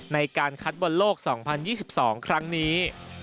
ในการคัดบอลโลก๒๐๒๒ครั้งนี้